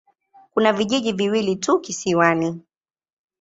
Kuna vijiji viwili tu kisiwani.